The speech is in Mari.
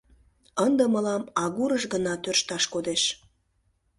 «Ынде мылам агурыш гына тӧршташ кодеш.